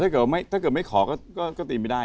ถ้าเกิดไม่ขอก็ตีไม่ได้